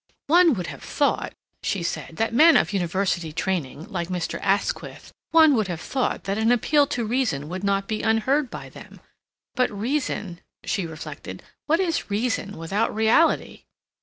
"One would have thought," she said, "that men of University training, like Mr. Asquith—one would have thought that an appeal to reason would not be unheard by them. But reason," she reflected, "what is reason without Reality?"